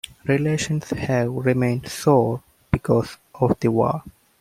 Relations have remained sour because of the war.